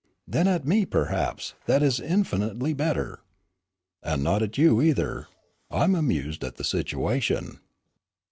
"Then at me, perhaps; that is infinitely better." "And not at you, either; I'm amused at the situation."